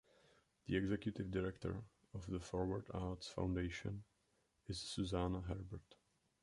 The executive director of the Forward Arts Foundation is Susannah Herbert.